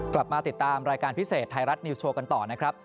กลับมาติดตามรายการพิเศษไทยรัฐนิวสโชว์กันต่อนะครับ